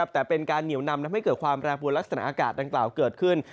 แต่เป็นการเหนียวนำทำให้เกิดความแปรปวดลักษณะอากาศดังกล่าวเกิดขึ้น